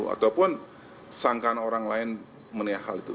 ataupun sangkaan orang lain menaik hal itu